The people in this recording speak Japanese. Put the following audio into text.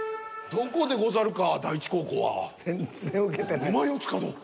どこでござるか。